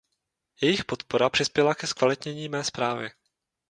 Jejich podpora přispěla ke zkvalitnění mé zprávy.